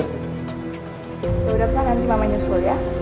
udah udah nanti mama nyusul ya